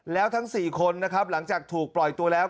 แล้วทั้ง๔คนนะครับหลังจากถูกปล่อยตัวแล้ว